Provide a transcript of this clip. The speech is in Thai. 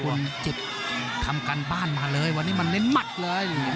วงจิตทำการบ้านมาเลยวันนี้มันเน้นหมัดเลย